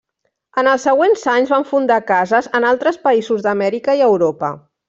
En els següents anys van fundar cases en altres països d'Amèrica i Europa.